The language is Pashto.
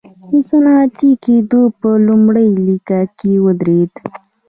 د صنعتي کېدو په لومړۍ لیکه کې ودرېد.